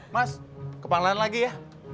mas kepalaan lagi ya